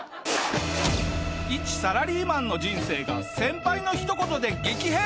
一サラリーマンの人生が先輩のひと言で激変！